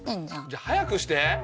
じゃあ早くして。